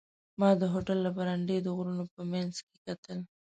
ما د هوټل له برنډې د غرونو په منځ کې کتل.